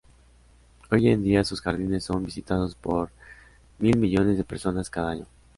Hoy en día sus jardines son visitados por mil millones de personas cada año.